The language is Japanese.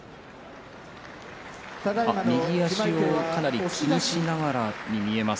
右足を、かなり気にしながらに見えます。